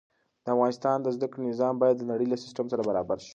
د افغانستان د زده کړې نظام باید د نړۍ له سيستم سره برابر شي.